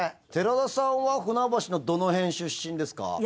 寺田さんは船橋のどの辺出身ですか？